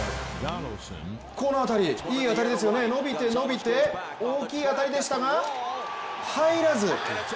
この当たり、いい当たりですよね、伸びて伸びて大きい当たりでしたが入らず！